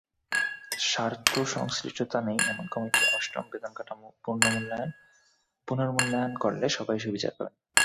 স্বার্থসংশ্লিষ্টতা নেই এমন কমিটি অষ্টম বেতনকাঠামো পুনর্মূল্যায়ন করলে সবাই সুবিচার পাবেন।